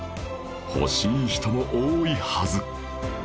欲しい人も多いはず